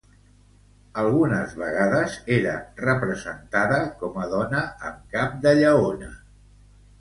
Algunes vegades era representada com a dona amb cap de lleona.